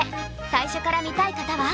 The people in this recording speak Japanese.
最初から見たい方は？